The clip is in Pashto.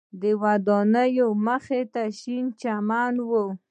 ودانیو مخ ته شین چمن و.